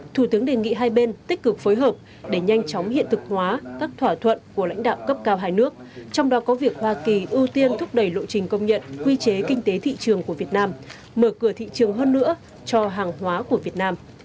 thủ tướng đề nghị hai bên tích cực phối hợp để nhanh chóng hiện thực hóa các thỏa thuận của lãnh đạo cấp cao hai nước trong đó có việc hoa kỳ ưu tiên thúc đẩy lộ trình công nhận quy chế kinh tế thị trường của việt nam mở cửa thị trường hơn nữa cho hàng hóa của việt nam